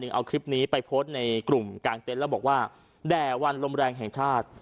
เอาคลิปนี้ไปโพสต์ในกลุ่มกลางเต็นต์แล้วบอกว่าแด่วันลมแรงแห่งชาติ